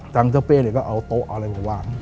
ทางเจ้าเป้เนี่ยก็เอาโต๊ะเอาอะไรมาวาง